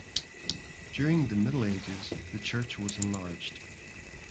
During the Middle Ages the church was enlarged.